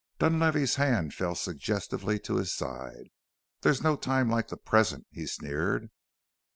Dunlavey's hand fell suggestively to his side. "There's no time like the present," he sneered.